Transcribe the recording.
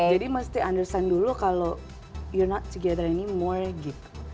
jadi mesti understand dulu kalau you're not together anymore gitu